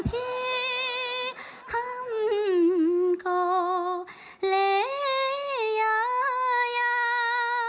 ดีฮ่ามโกเลยายา